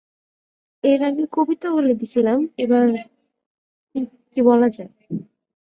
Hooper lost the fight via unanimous decision.